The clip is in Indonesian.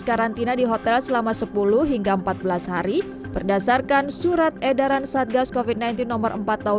karantina di hotel selama sepuluh hingga empat belas hari berdasarkan surat edaran satgas covid sembilan belas nomor empat